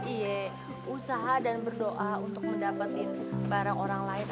iya usaha dan berdoa untuk mendapatkan barang orang lain